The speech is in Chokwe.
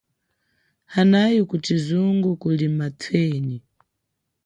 Hanayi kushizungu kuli mathenyi.